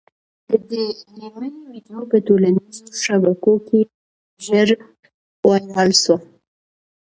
د دې مېرمني ویډیو په ټولنیزو شبکو کي ژر وایرل سوه